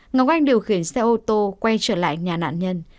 ngọc anh điều khiển xe ô tô quay trở lại nhà nạn nhân